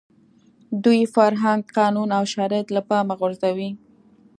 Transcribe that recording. دوی فرهنګ، قانون او شرایط له پامه غورځوي.